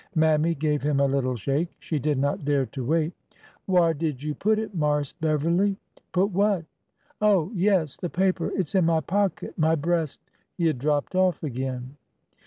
Mammy gave him a little shake. She did not dare to wait. " Whar did you put it, Marse Beverly ?'' Put what? Oh — yes— the paper. It's in my pocket —my breast—'' He had dropped off again.